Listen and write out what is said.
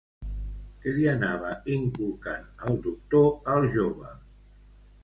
Què li anava inculcant el doctor al jove?